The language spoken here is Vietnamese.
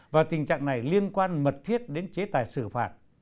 và tình trạng này liên quan mật thiết đến chế tài xử phạt